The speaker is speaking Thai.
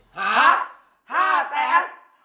หาห้าแสน